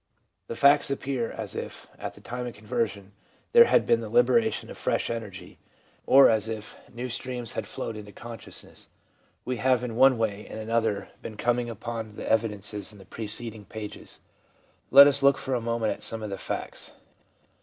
The facts appear as if, at the time of conversion, there had been the liberation of fresh energy, or as if THE CHARACTER OF THE NEW LIFE 131 new streams had flowed into consciousness. We have in one way and another been coming upon the evidences in the preceding pages. Let us look for a moment at some of the facts.